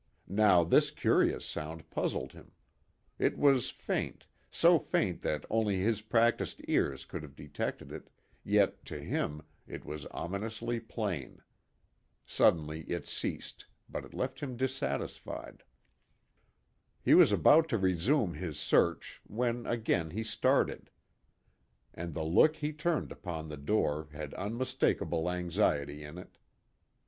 Now this curious sound puzzled him. It was faint, so faint that only his practiced ears could have detected it, yet, to him, it was ominously plain. Suddenly it ceased, but it left him dissatisfied. He was about to resume his search when again he started; and the look he turned upon the door had unmistakable anxiety in it.